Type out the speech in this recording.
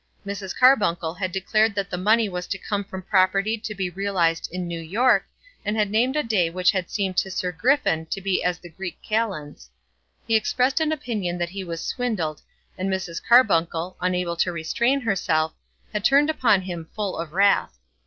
Mrs. Carbuncle had declared that the money was to come from property to be realised in New York, and had named a day which had seemed to Sir Griffin to be as the Greek Kalends. He expressed an opinion that he was swindled, and Mrs. Carbuncle, unable to restrain herself, had turned upon him full of wrath.